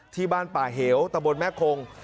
ที่บ้านป่าเหวตะบนแม่คง